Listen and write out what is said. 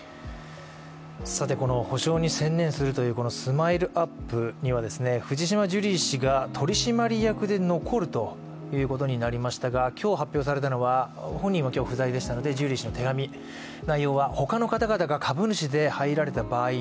補償に専念するというＳＭＩＬＥ−ＵＰ．には藤島ジュリー氏が取締役で残るということになりましたが今日発表されたのは、本人は今日不在でしたので、ジュリー氏の手紙です。